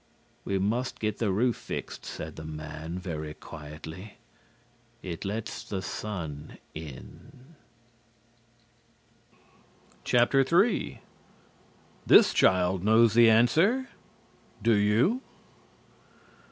"We must get the roof fixed," said the man, very quietly. "It lets the sun in." III THIS CHILD KNOWS THE ANSWER DO YOU?